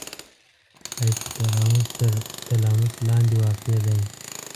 هایپو تلاموس تر تلاموس لاندې واقع دی.